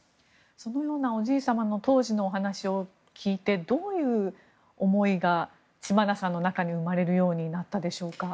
そのようなおじい様の当時のお話を聞いてどういう思いが知花さんの中に生まれるようになったでしょうか。